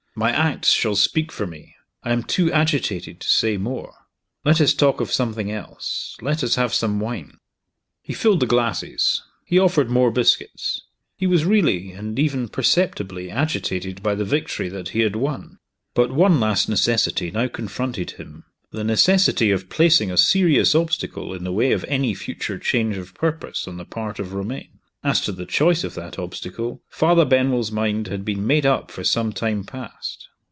My acts shall speak for me. I am too agitated to say more. Let us talk of something else let us have some wine." He filled the glasses; he offered more biscuits. he was really, and even perceptibly, agitated by the victory that he had won. But one last necessity now confronted him the necessity of placing a serious obstacle in the way of any future change of purpose on the part of Romayne. As to the choice of that obstacle, Father Benwell's mind had been made up for some time past.